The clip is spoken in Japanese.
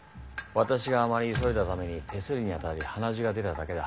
私があまり急いだために手すりに当たり鼻血が出ただけだ。